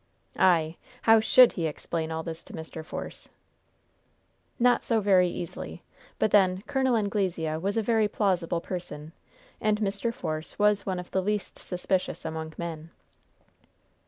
Ay! how should he explain all this to Mr. Force? Not so very easily; but, then, Col. Anglesea was a very plausible person, and Mr. Force was one of the least suspicious among men.